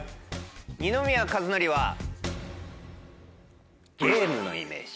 二宮和也は「ゲーム」のイメージ。